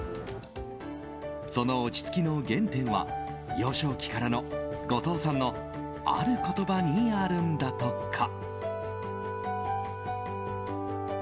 その落ち着きの原点は幼少期からの後藤さんのある言葉にあるんだとか。